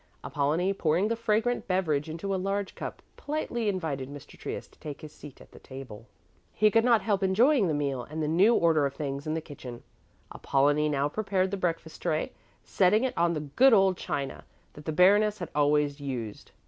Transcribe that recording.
Apollonie, pouring the fragrant beverage into a large cup, politely invited Mr. Trius to take his seat at the table. He could not help enjoying the meal and the new order of things in the kitchen. Apollonie now prepared the breakfast tray, setting on it the good old china that the Baroness had always used.